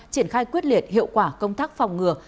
triển khai quyết liệt hiệu quả công tác phòng ngừa